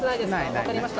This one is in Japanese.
分かりました。